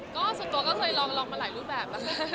ก็สุดโตเคยลองมาหลายรูปแบบ